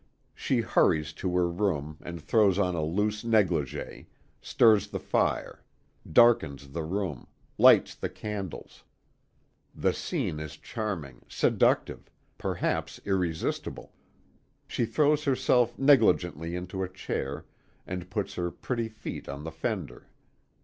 She hurries to her room, and throws on a loose negligée; stirs the fire: darkens the room; lights the candles. The scene is charming, seductive perhaps irresistible. She throws herself negligently into a chair, and puts her pretty feet on the fender.